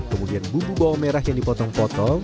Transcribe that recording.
kemudian bumbu bawang merah yang dipotong potong